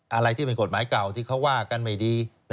อะไรที่เป็นกฎหมายเก่าที่เขาว่ากันไม่ดี